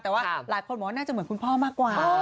แต่ว่าหลายคนบอกว่าน่าจะเหมือนคุณพ่อมากกว่า